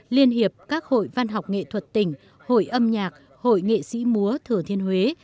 liên hiệp các hội văn học nghệ thuật tỉnh hội âm nhạc hội nghệ sĩ múa thừa thiên huế